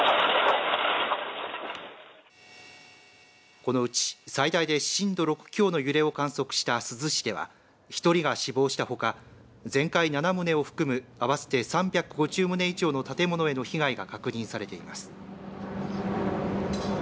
このうち最大で震度６強の揺れを観測した珠洲市では１人が死亡したほか全壊７棟を含む合わせて３５０棟以上の建物への被害が確認されています。